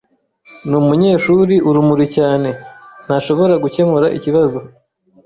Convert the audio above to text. Numunyeshuri urumuri cyane ntashobora gukemura ikibazo.